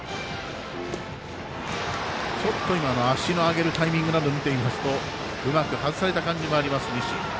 足の上げるタイミングなどを見ていますとうまくはずされた感じもあります、西。